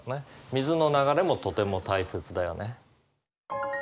水の流れもとても大切だよね。